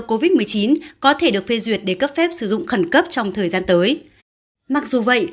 covid một mươi chín có thể được phê duyệt để cấp phép sử dụng khẩn cấp trong thời gian tới mặc dù vậy